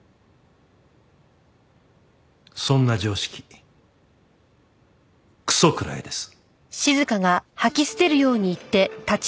そんな常識クソ食らえです。